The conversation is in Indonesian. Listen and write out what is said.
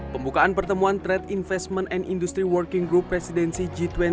pembukaan pertemuan trade investment and industry working group presidensi g dua puluh